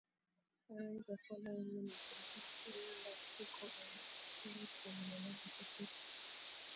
Arrange the following units into two lexical and two terminological sets.